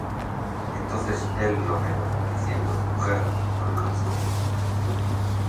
Entonces él lo negó, diciendo: Mujer, no le conozco.